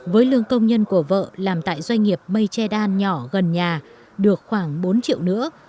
với lương công nhân của vợ làm tại doanh nghiệp mây che đan nhỏ gần nhà được khoảng bốn triệu nữa